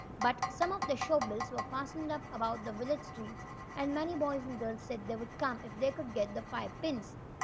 But some of the "show bills" were fastened up about the village streets, and many boys and girls said they would come if they could get the five pins.